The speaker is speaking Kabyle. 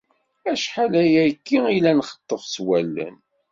Acḥal ayagi i la nxeṭṭeb s wallen.